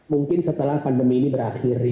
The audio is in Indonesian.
mungkin setelah pandemi ini berakhir